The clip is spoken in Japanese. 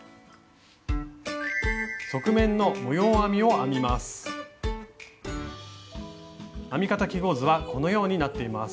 編み方記号図はこのようになっています。